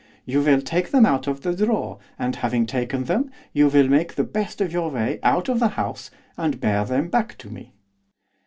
You will take them out of the drawer, and, having taken them, you will make the best of your way out of the house, and bear them back to me.